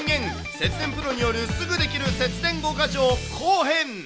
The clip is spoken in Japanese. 節電プロによるすぐできる節電５か条後編。